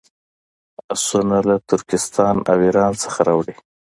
آسونه له ترکستان او ایران څخه راوړي.